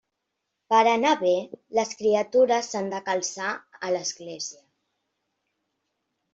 Per anar bé, les criatures s'han de calçar a l'església.